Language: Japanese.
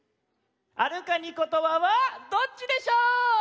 「あるカニことば」はどっちでしょう？